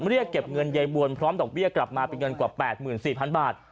เรียกเก็บเงินยายบวนพร้อมดอกเบี้ยกลับมาเป็นเงินกว่า๘๔๐๐๐บาท